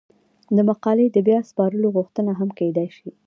د مقالې د بیا سپارلو غوښتنه هم کیدای شي.